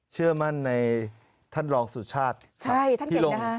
เชื่อมั่นในท่านรองสุชาติใช่ท่านเก่งนะฮะ